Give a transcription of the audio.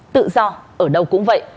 tự do ở đâu cũng vậy